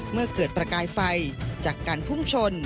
เมื่อเกิดประกายไฟจากการพุ่งชน